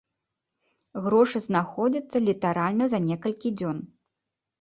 Грошы знаходзяцца літаральна за некалькі дзён.